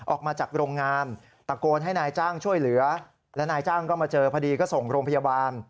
ออกมาจากโรงงานตะโกนให้นายจ้างช่วยเหลือและนายจ้างก็มาเจอพอดีก็ส่งโรงพยาบาล